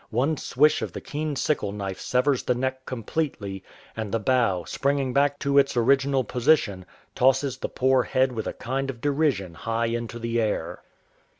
One swish of the keen sickle knife severs the neck completely, and the bough, springing back to its original position, tosses the poor head with a kind of derision high into the air.